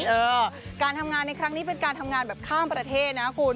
เออการทำงานในครั้งนี้เป็นการทำงานแบบข้ามประเทศนะคุณ